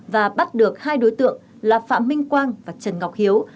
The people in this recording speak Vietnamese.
và bắt được hai đối tượng là phạm minh quang và trần ngọc hiếu